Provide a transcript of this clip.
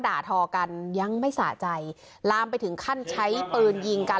ด่าทอกันยังไม่สะใจลามไปถึงขั้นใช้ปืนยิงกัน